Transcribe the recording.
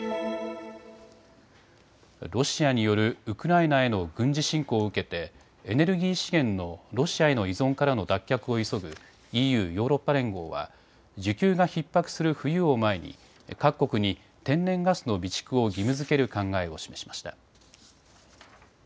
ロシアによるウクライナへの軍事侵攻を受けてエネルギー資源のロシアへの依存からの脱却を急ぐＥＵ・ヨーロッパ連合は需給がひっ迫する冬を前に各国に天然ガスの備蓄を義務づける考えを示しました。